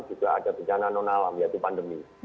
juga ada bencana non alam yaitu pandemi